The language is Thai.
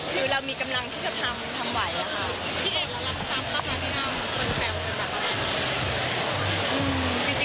คือเรามีกำลังที่จะทำไหวอะค่ะ